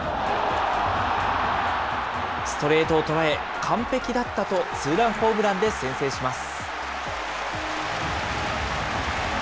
ストレートを捉え、完璧だったと、ツーランホームランで先制します。